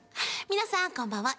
皆さんこんばんは。